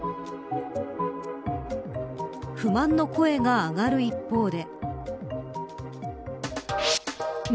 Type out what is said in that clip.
不満の声が上がる一方で。